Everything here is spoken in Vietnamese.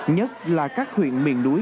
nhất là các huyện miền núi